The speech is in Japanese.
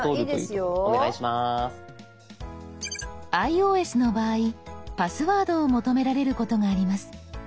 ｉＯＳの場合パスワードを求められることがあります。